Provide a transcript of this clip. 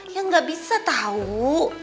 ya gak bisa tau